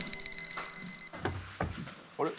あれ？